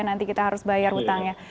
nanti kita harus bayar utangnya